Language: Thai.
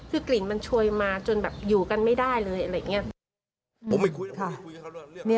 คือกลิ่นมันโชยมาจนแบบอยู่กันไม่ได้เลยอะไรอย่างนี้